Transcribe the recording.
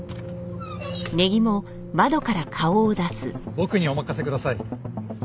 僕にお任せください。